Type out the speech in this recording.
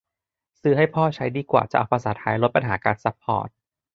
ซื้อให้พ่อใช้ดีกว่า จะเอาภาษาไทย ลดปัญหาการซัพพอร์ต !